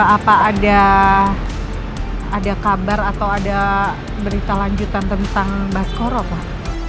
apa ada kabar atau ada berita lanjutan tentang baskoro pak